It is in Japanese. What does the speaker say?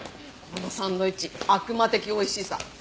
このサンドイッチ悪魔的おいしさ。